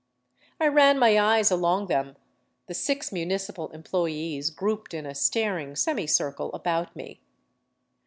I ran my eyes along them, the six municipal employees grouped in a staring semicircle about me.